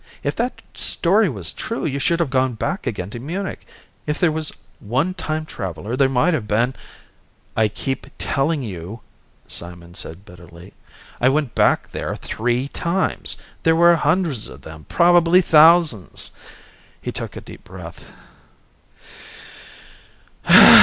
If that story was true, you should have gone back again to Munich. If there was one time traveler, there might have been " "I keep telling you," Simon said bitterly, "I went back there three times. There were hundreds of them. Probably thousands." He took a deep breath.